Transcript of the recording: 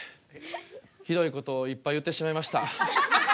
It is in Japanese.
ひどいことをいっぱい言ってしまいました。